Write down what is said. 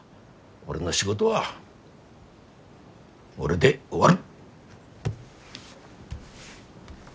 俺の仕事は俺で終わる！